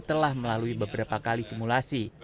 telah melalui beberapa kali simulasi